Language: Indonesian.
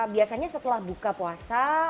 biasanya setelah buka puasa